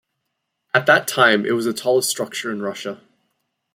At that time, it was the tallest structure in Russia.